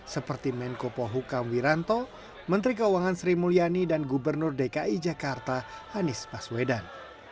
seperti menko pohuka wiranto menteri keuangan sri mulyani dan gubernur dki jakarta hanis paswedan